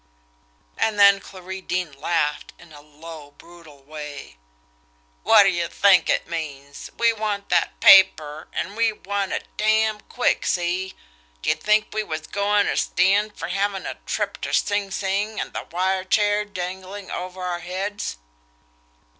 And then Clarie Deane laughed in a low, brutal way. "Wot d'ye think it means? We want that paper, an' we want it damn quick see! D'ye think we was goin' ter stand fer havin' a trip ter Sing Sing an' the wire chair danglin' over our heads!"